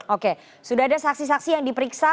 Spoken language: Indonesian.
oke sudah ada saksi saksi yang diperiksa